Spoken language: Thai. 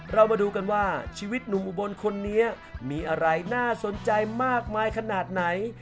เรามาดูกันว่าชีวิตหนุ่มอุบลคนนี้มีอะไรน่าสนใจมากมายขนาดไหน